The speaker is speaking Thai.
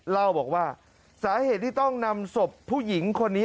เล่าบอกว่าสาเหตุที่ต้องนำศพผู้หญิงคนนี้